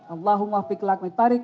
allahumma fiklak mitarik